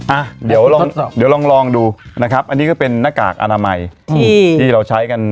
อ่ะเดี๋ยวลองดูนะครับอันนี้ก็เป็นนกากอนามัยที่เราใช้กัน